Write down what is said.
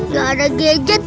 gak ada gadget